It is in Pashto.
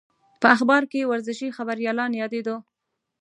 په اخبار کې ورزشي خبریالان یادېدو.